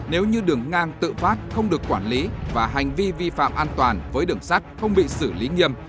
nếu như đường ngang tự phát không được quản lý và hành vi vi phạm an toàn với đường sắt không bị xử lý nghiêm